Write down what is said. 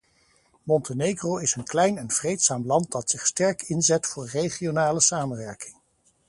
Montenegro is een klein en vreedzaam land dat zich sterk inzet voor regionale samenwerking.